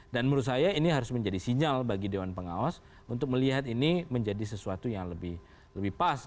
dan menurut saya ini harus menjadi sinyal bagi dewan pengawas untuk melihat ini menjadi sesuatu yang lebih pas